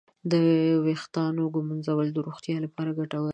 د ویښتانو ږمنځول د روغتیا لپاره ګټور دي.